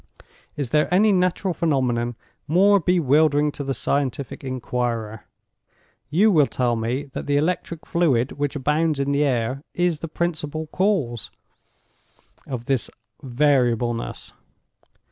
"Is there any natural phenomenon more bewildering to the scientific inquirer? You will tell me that the electric fluid which abounds in the air is the principal cause of this variableness.